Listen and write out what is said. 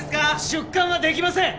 出棺はできません！